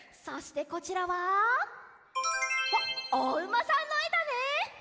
そしてこちらはわっおうまさんのえだね！